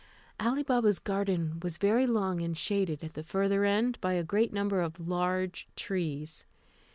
Ali Baba's garden was very long, and shaded at the further end by a great number of large trees.